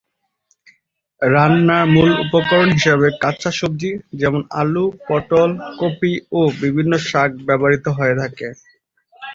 রান্নার মূল উপকরণ হিসাবে কাঁচা সবজি যেমন আলু, পটল, কপি ও বিভিন্ন শাক ব্যবহৃত হয়ে থাকে।